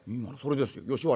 「今のそれですよ。